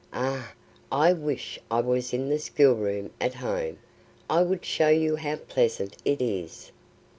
Ah! I wish I was in the schoolroom, at home, and I would show you how pleasant it is."